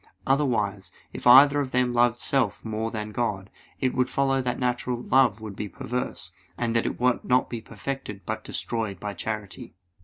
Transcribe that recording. Otherwise, if either of them loved self more than God, it would follow that natural love would be perverse, and that it would not be perfected but destroyed by charity.